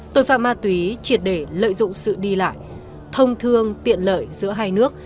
tội phạm ma túy triệt để lợi dụng sự đi lại thông thương tiện lợi giữa hai nước